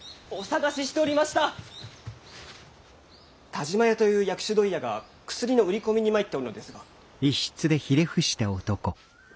田嶋屋という薬種問屋が薬の売り込みに参っておるのですが。